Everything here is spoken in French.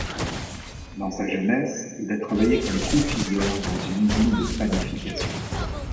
Dans sa jeunesse, il a travaillé comme confiseur dans une usine de panification.